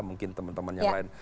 mungkin teman teman yang lain